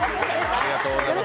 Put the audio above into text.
ありがとうございます。